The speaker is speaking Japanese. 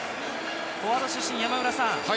フォワード出身の山村さん